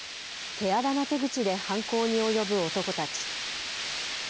手荒な手口で犯行に及ぶ男たち。